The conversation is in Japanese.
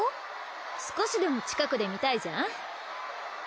少しでも近くで見たいじゃん？